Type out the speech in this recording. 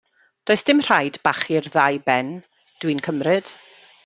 Does dim rhaid bachu'r ddau ben, dw i'n cymryd?